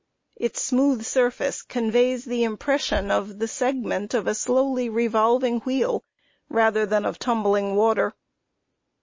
Its smooth surface conveys the impression of the segment of a slowly revolving wheel rather than of tumbling water.